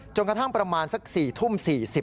กระทั่งประมาณสัก๔ทุ่ม๔๐